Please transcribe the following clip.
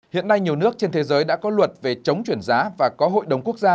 hiện nay nhiều nước trên thế giới đã có luật về chống chuyển giá và có hội đồng quốc gia